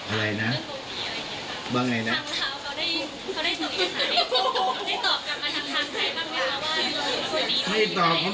แล้วทางเราเองเขาได้มีอะไรกลับมาไหมครับ